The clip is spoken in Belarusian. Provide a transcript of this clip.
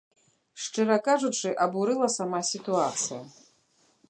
Шчыра кажучы, абурыла сама сітуацыя.